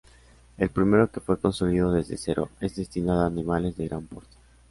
El primero que fue construido desde cero es destinado a animales de gran porte.